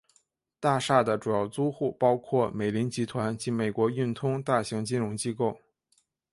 大厦的主要租户包括美林集团及美国运通大型金融机构。